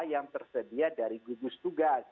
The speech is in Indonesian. yang tersedia dari gugus tugas